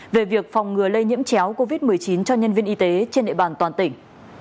về việc phòng ngừa lây nhiễm chéo covid một mươi chín cho nhân viên y tế trên địa bàn toàn tỉnh